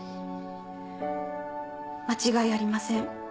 間違いありません。